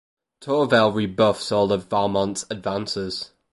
Tourvel rebuffs all of Valmont's advances.